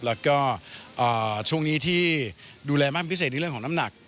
แล้วก็ช่วงนี้ที่ดูแลมากเป็นพิเศษในเรื่องของน้ำหนัก